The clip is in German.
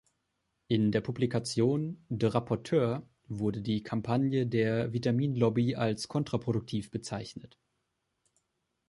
In der Publikation "De Rapporteur" wurde die Kampagne der Vitaminlobby als kontraproduktiv bezeichnet.